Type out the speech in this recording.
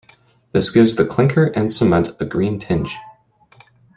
This gives the clinker and cement a green tinge.